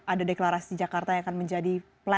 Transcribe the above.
ada deklarasi jakarta yang akan menjadi platform